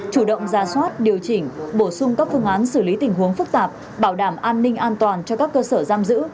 chủ động ra soát điều chỉnh bổ sung các phương án xử lý tình huống phức tạp bảo đảm an ninh an toàn cho các cơ sở giam giữ